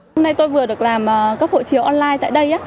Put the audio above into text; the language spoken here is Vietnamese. hôm nay tôi vừa được làm cấp hộ chiếu online tại đây